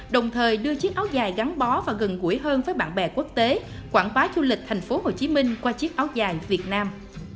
đồng thời đưa chiếc áo dài gắn bó và gần gũi hơn với bạn bè quốc tế quảng bá du lịch thành phố hồ chí minh qua chiếc áo dài việt nam